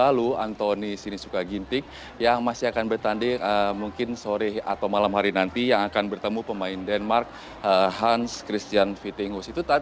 lalu antoni sinisuka ginting yang masih akan bertanding mungkin sore atau malam hari nanti yang akan bertemu pemain denmark hans christian vitingos